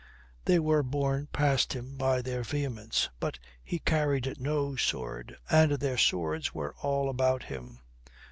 They were borne past him by their vehemence, but he carried no sword and their swords were all about him.